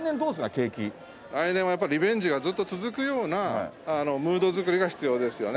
来年はリベンジがずっと続くようなムードづくりが必要ですよね。